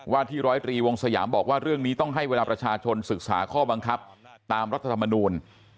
ที่ร้อยตรีวงสยามบอกว่าเรื่องนี้ต้องให้เวลาประชาชนศึกษาข้อบังคับตามรัฐธรรมนูล